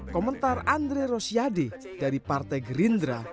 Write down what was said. komentar andre rosiade dari partai gerindra